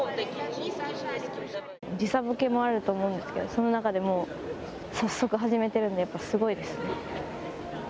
時差ぼけもあると思うんですけどその中でも早速始めているのでやっぱりすごいですね。